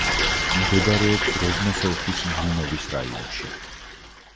მდებარეობს როვნოს ოლქის მლინოვის რაიონში.